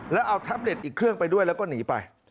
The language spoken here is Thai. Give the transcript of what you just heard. แล้วเอาแท็บเล็ตอีกเครื่องไปด้วยแล้วก็หนีไป